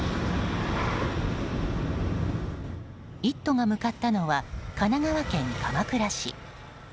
「イット！」が向かったのは神奈川県鎌倉市。